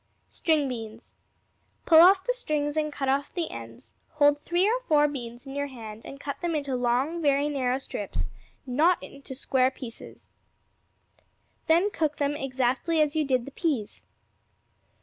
String Beans Pull off the strings and cut off the ends; hold three or four beans in your hand and cut them into long, very narrow strips, not into square pieces. Then cook them exactly as you did the peas.